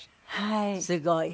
はい。